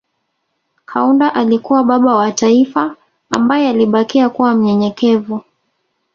Kaunda alikuwa baba wa taifa ambaye alibakia kuwa mnyenyekevu